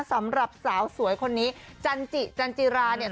สำหรับสาวสวยคนนี้จันจิจันจิราเนี่ย